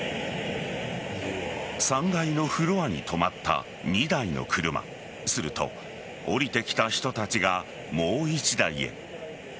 ３階のフロアに止まった２台の車すると、降りてきた人たちがもう１台へ。